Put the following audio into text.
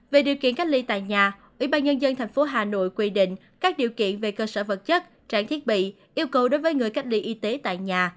về điều kiện cách ly tại nhà ủy ban nhân dân tp hà nội quy định các điều kiện về cơ sở vật chất trang thiết bị yêu cầu đối với người cách ly y tế tại nhà